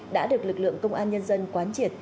đã được lực lượng công an nhân dân quán triệt